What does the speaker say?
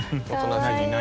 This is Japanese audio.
「何？